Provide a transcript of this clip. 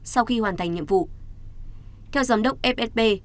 sau khi hoàn thành nhiệm vụ theo giám đốc fsb